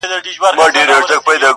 هغې کافري په ژړا کي راته وېل ه.